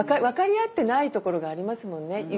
分かり合ってないところがありますもんね。